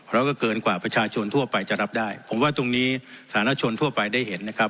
แล้วก็เกินกว่าประชาชนทั่วไปจะรับได้ผมว่าตรงนี้สาธารณชนทั่วไปได้เห็นนะครับ